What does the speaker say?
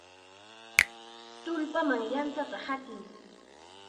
¡Tullpaman yantata hatiy!